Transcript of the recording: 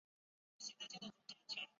他和失明的艾费多的交情更加坚定。